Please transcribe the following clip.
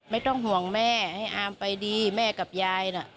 ไม่ต้องห่วงแม่ให้อามไปดีแม่กับยายน่ะ